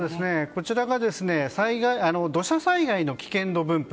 こちらが土砂災害の危険度分布。